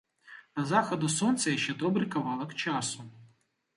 Да захаду сонца яшчэ добры кавалак часу.